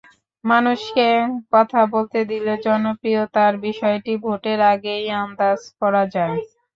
মানুষকে কথা বলতে দিলে জনপ্রিয়তার বিষয়টি ভোটের আগেই আন্দাজ করা যায়।